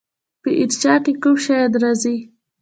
په انشأ کې کوم شیان راځي؟